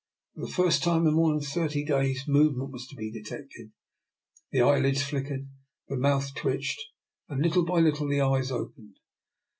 For the first time in more than thirty days movement was to be detected, the eyelids flickered, the mouth twitched, and little by little the eyes opened.